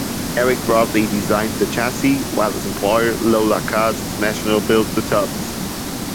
Eric Broadley designed the chassis while his employer Lola Cars International built the tubs.